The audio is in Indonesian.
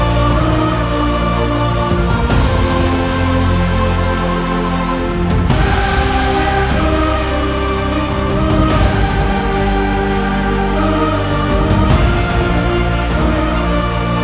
terima kasih ruh pontuhha